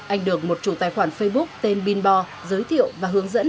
anh được một chủ tài khoản facebook tên binbo giới thiệu và hướng dẫn